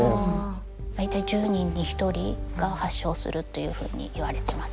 大体１０人に１人が発症するというふうにいわれてますね。